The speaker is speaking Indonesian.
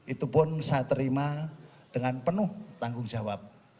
itu pun saya terima dengan penuh tanggung jawab